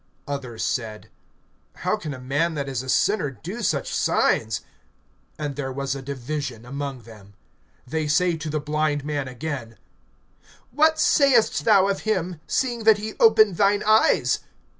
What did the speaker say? Others said: How can a man that is a sinner do such signs? And there was a division among them. (17)They say to the blind man again: What sayest thou of him, seeing that he opened thine eyes?